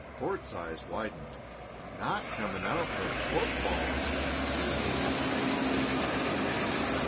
Court's eyes widened. "Not coming out for football!" he repeated amazedly.